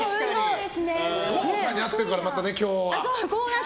郷さんに会ってるからね今日は。